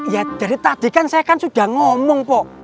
ya dari tadi kan saya sudah ngomong pak